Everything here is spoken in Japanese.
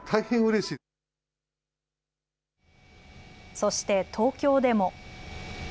そして東京でも。